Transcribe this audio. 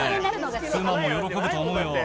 妻も喜ぶと思うよ。